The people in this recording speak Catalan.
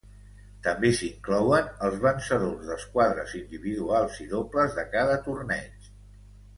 També s'inclouen els vencedors dels quadres individuals i dobles de cada torneig.